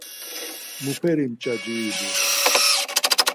Muperi mç̌aci ili?